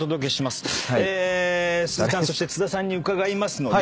鈴木さんそして津田さんに伺いますので。